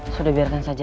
sudah biarkan saja